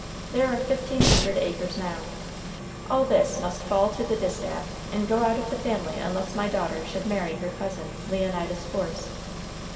There are fifteen hundred acres now. All this must 'fall to the distaff' and go out of the family unless my daughter should marry her cousin, Leonidas Force.